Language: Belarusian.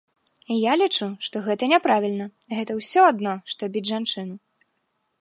Я лічу, што гэта няправільна, гэта ўсё адно, што біць жанчыну.